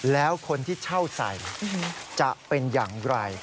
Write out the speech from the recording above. แล้วคนที่เช่าใส่จะเป็นอย่างไร